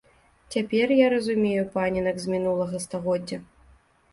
Цяпер я разумею паненак з мінулага стагоддзя!